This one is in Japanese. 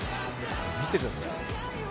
「見てください」